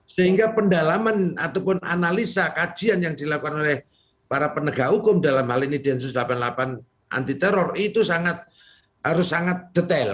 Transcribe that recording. sehingga pendalaman ataupun analisa kajian yang dilakukan oleh para penegak hukum dalam hal ini densus delapan puluh delapan anti teror itu harus sangat detail